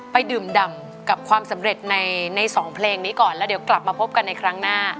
ไปดื่มดำกับความสำเร็จในสองเพลงนี้ก่อนแล้วเดี๋ยวกลับมาพบกันในครั้งหน้า